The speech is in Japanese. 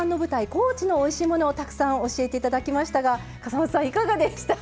高知のおいしいものをたくさん教えていただきましたが笠松さんいかがでしたか？